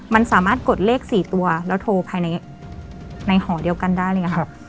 มันสามารถกดเลข๔ตัวแล้วโทรภายในหอเดียวกันได้อะไรอย่างนี้ครับ